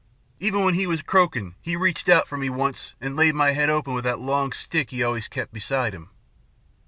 Even when he was croaking he reached out for me, once, an' laid my head open with that long stick he kept always beside him."